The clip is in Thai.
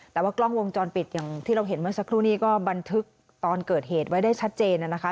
แต่ว่ากล้องวงจรปิดอย่างที่เราเห็นเมื่อสักครู่นี้ก็บันทึกตอนเกิดเหตุไว้ได้ชัดเจนนะคะ